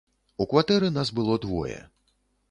У кватэры нас было двое.